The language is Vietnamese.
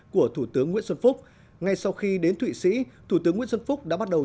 của thủ tướng nguyễn xuân phúc ngay sau khi đến thụy sĩ thủ tướng nguyễn xuân phúc đã bắt đầu